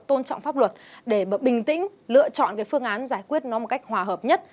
tôn trọng pháp luật để bình tĩnh lựa chọn cái phương án giải quyết nó một cách hòa hợp nhất